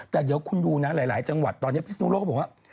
แต่เดี๋ยวคุณดูนะหลายจังหวัดตอนนี้พิศนุโลกก็บอกว่า